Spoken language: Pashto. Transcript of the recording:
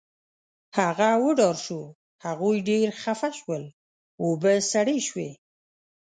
هغه وډار شو، هغوی ډېر خفه شول، اوبې سړې شوې